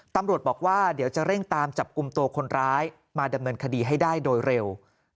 ตำรวจบอกว่าเดี๋ยวจะเร่งตามจับกลุ่มตัวคนร้ายมาดำเนินคดีให้ได้โดยเร็ว